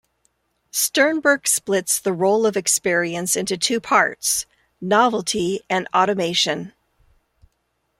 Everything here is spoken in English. Sternberg splits the role of experience into two parts: novelty and automation.